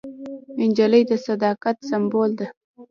نجلۍ د صداقت سمبول ده.